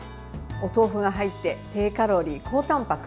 お豆腐が入って低カロリー、高たんぱく。